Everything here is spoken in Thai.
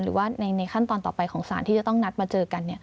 หรือว่าในขั้นตอนต่อไปของสารที่จะต้องนัดมาเจอกัน